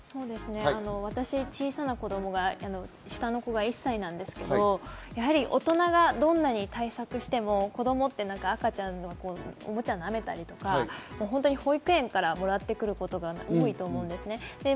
私、小さな子供が、下の子が１歳なんですけど、やはり大人がどんなに対策をしても、子供って、赤ちゃんっておもちゃをなめたりとか保育園からもらってくることが多いと思うんですね。